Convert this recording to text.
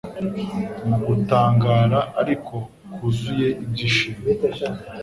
Mu gutangara ariko kuzuye ibyishimo,